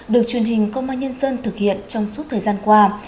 được truyền hình công an nhân dân thực hiện trong suốt thời gian qua